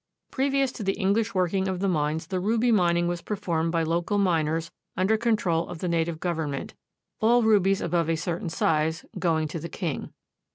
Previous to the English working of the mines the ruby mining was performed by local miners under control of the native government, all rubies above a certain size going to the king.